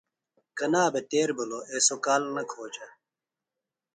کنا بھےۡ تیر بِھلوۡ ایسوۡ کال نہ کھوجہ۔